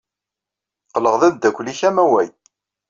Qqleɣ d ameddakel-nnek amaway.